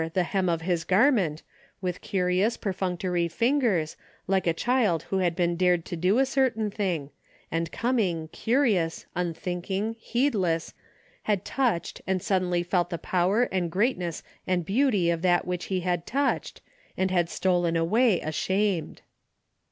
'^ 255 the hem of his garment, with curious perfunc tory fingers, like a child who had been dared to do a certain thing, and coming, curious, un thinking, heedless, had touched and suddenly felt the power and greatness and beauty of that which he had touched, and had stolen away ashamed.